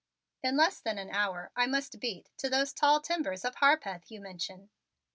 "In less than an hour I must 'beat' to those 'tall timbers of Harpeth' you mention."